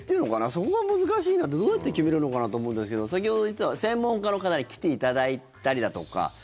そこは難しいなってどうやって決めるのかなと思うんですけど先ほど言ってた専門家の方に来ていただいたりだとか